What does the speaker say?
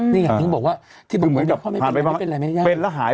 นี่อย่างที่บอกว่าที่บอกว่าพอไม่เป็นไรไม่เป็นไรไม่ได้ยาก